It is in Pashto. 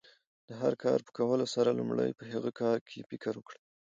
د هر کار په کولو سره، لومړی په هغه کار کښي فکر وکړئ!